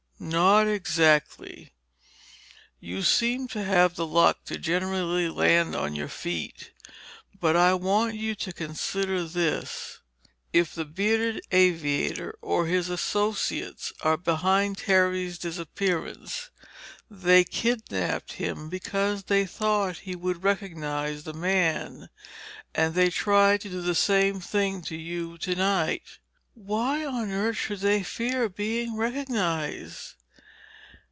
"Not exactly—you seem to have the luck to generally land on your feet. But, I want you to consider this: if the bearded aviator or his associates are behind Terry's disappearance, they kidnapped him because they thought he would recognize the man. And they tried to do the same thing to you tonight." "Why on earth should they fear being recognized?"